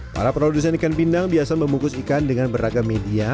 para produsen ikan pindang biasa membungkus ikan dengan beragam media